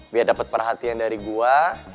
biar dapat perhatian dari gue